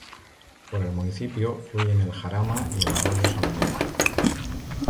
Por el municipio fluyen el río Jarama y el arroyo San Román.